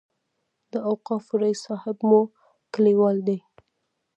د اوقافو رئیس صاحب مو کلیوال دی.